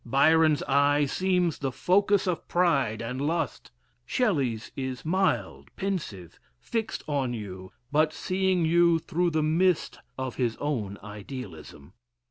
Byron's eye seems the focus of pride and lust: Shelley's is mild, pensive, fixed on you, but seeing you through the mist of his own idealism.